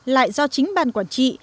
lại do chính bàn quản trị